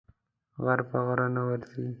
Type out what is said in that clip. غر په غره نه ورځي.